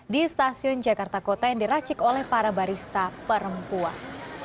di stasiun jakarta kota yang diracik oleh para barista perempuan